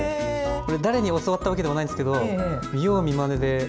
これ誰に教わったわけではないんですけど見よう見まねで。